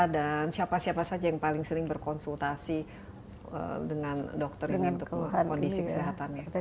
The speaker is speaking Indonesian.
dan siapa siapa saja yang paling sering berkonsultasi dengan dokter ini untuk kondisi kesehatannya